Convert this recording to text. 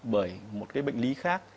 bởi một cái bệnh lý khác